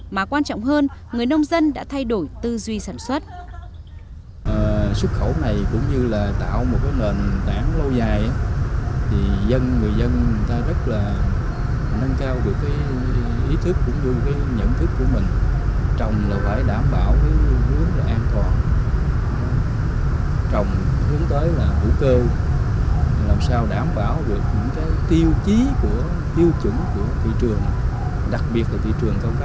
mà quan trọng hơn người nông dân đã thay đổi tư duy sản xuất